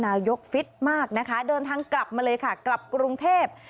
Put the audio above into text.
นายกฟิตมากนะคะเดินทางกลับมาเลยค่ะกลับกรุงเทพ